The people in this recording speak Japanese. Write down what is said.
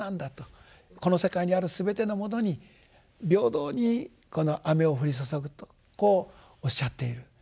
この世界にあるすべてのものに平等にこの雨を降り注ぐとこうおっしゃっている。